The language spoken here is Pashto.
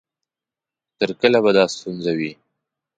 تر کله به دا ستونزه وي؟